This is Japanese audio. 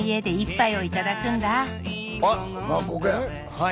はい。